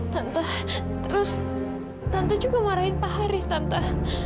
tante terus tante juga marahin pak haris tante